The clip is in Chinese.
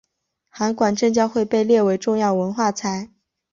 函馆正教会被列为重要文化财。